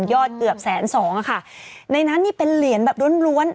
เกือบแสนสองอ่ะค่ะในนั้นนี่เป็นเหรียญแบบล้วนล้วน